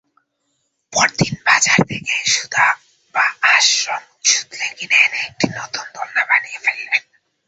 পরদিন বাজার থেকে সুতা-বাঁশ-রং-সুতলি কিনে এনে একটি নতুন দোলনা বানিয়ে ফেললেন।